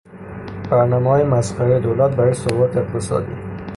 برنامههای مسخرهی دولت برای ثبات اقتصادی